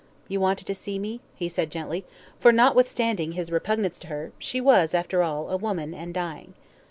"You wanted to see me?" he said gently, for, notwithstanding his repugnance to her, she was, after all, a woman, and dying.